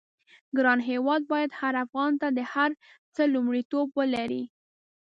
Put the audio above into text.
ګران هېواد بايد هر افغان ته د هر څه لومړيتوب ولري.